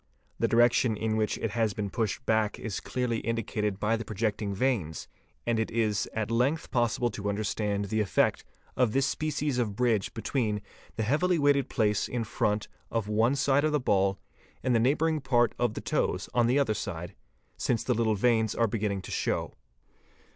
'The direction in which it has been pushed back is clearly indicated by the projecting veins, and it is at length possible to understand the effect of this species of bridge between the heavily weighted place in front of one side of the ball and the neigh _ bouring part of the toes on the other side, since the little veins are beginning to show.